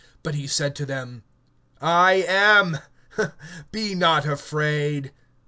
(20)But he says to them: It is I, be not afraid.